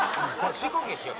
深呼吸しよう。